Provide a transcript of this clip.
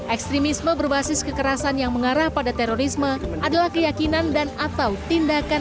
ekstremisme berbasis kekerasan yang mengarah pada terorisme adalah keyakinan dan atau tindakan